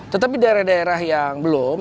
tetapi daerah daerah yang belum